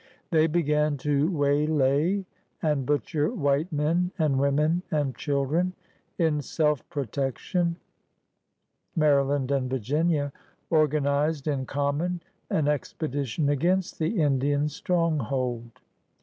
They began to waylay and butcher white men and women and children. In self protection Maryland and Virginia organized m common an expedition against the Indian stronghold.